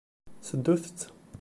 Seddut-tt.